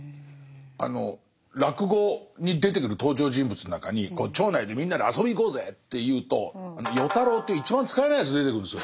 あの落語に出てくる登場人物の中に町内でみんなで遊びに行こうぜっていうと与太郎っていう一番使えないやつ出てくるんですよ。